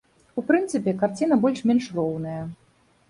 У прынцыпе, карціна больш-менш роўная.